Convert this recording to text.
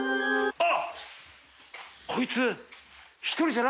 あっ！